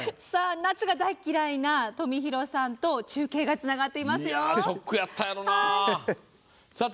夏が大嫌いな冨廣さんと中継がつながっていますよ。